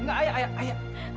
enggak ayah ayah